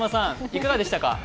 いかがでしたか？